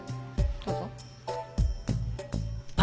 どうぞ。